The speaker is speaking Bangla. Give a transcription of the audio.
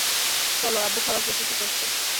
চলো, আব্বু খাবার প্রস্তুত করছে।